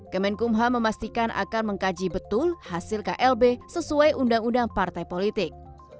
kemenkumham memastikan akan mengkaji betul hasil klb sesuai undang undang partai politik